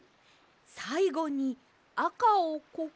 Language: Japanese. さいごにあかをここに。